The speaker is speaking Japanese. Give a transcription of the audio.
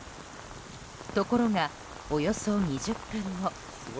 ところが、およそ２０分後。